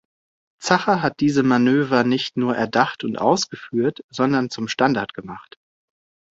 Zacher hat diese Manöver nicht nur erdacht und ausgeführt, sondern zum Standard gemacht.